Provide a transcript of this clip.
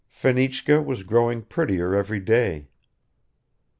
Fenichka was growing prettier every day.